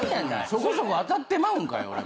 そこそこ当たってまうんかい！